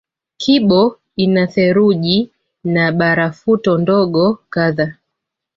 Kibo ina theluji na barafuto ndogo kadhaa